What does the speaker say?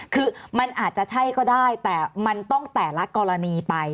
คือมันอาจจะใช่ก็ได้แต่มันต้องแต่ละกรณีไป